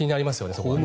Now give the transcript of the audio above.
そこがね。